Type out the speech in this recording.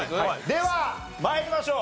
では参りましょう。